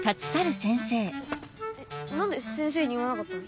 えっなんで先生に言わなかったの？